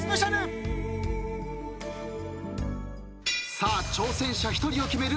さあ挑戦者１人を決める